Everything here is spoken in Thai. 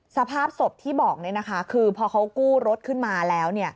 สภาพศพที่บอกคือพอเขากู้รถขึ้นมาแล้ว